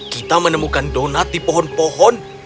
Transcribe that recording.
kita menemukan donat di pohon pohon